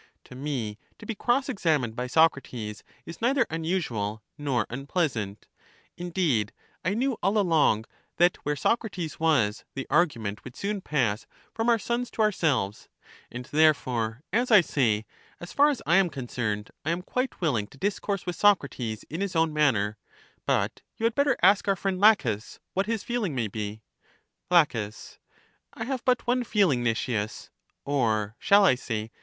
To me, to be cross examined by Socrates is neither unusual nor unpleasant ; indeed, I knew all along that where Socrates was, the argu ment would soon pass from our sons to ourselves; and therefore, as I say, as far as I am concerned, I am quite willing to discourse with Socrates in his own manner; but you had better ask our friend Laches what his feeling may be. JLa, I have but one feeling, Nicias, or (shall I say?)